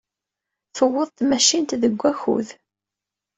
Tuweḍ tmacint deg wakud.